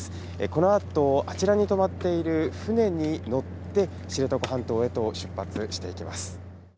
この後、あちらに停まっている船に乗って知床半島へと出発していきます。